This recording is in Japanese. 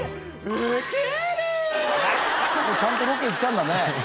ちゃんとロケ行ったんだね。